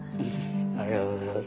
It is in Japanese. ありがとうございます。